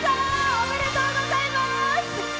おめでとうございます！